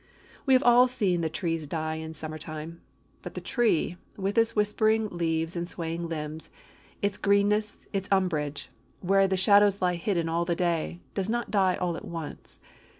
We have all seen the trees die in Summer time. But the tree, with its whispering leaves and swaying limbs, its greenness, its umbrage, where the shadows lie hidden all the day, does not die all at once.